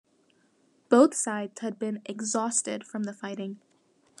Both sides had been exhausted from the fighting.